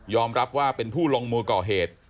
รับว่าเป็นผู้ลงมือก่อเหตุ